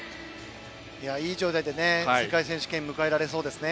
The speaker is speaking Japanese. いい状態で世界選手権を迎えられそうですね。